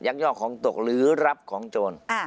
ยอกของตกหรือรับของโจร